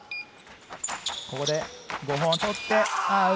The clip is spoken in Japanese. ここで５本取って。